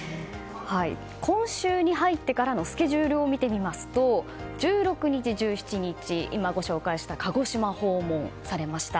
今週に入ってからのスケジュールを見てみますと１６日、１７日、今ご紹介した鹿児島を訪問されました。